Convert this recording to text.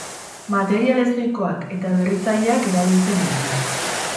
Material ezohikoak eta berritzaileak erabiltzen ditu.